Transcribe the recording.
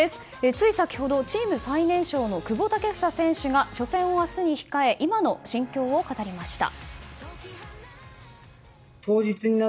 つい先ほど、チーム最年少の久保建英選手が初戦を明日に控え今の心境を語りました。